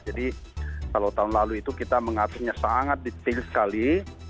jadi kalau tahun lalu itu kita mengaturnya sangat detail sekali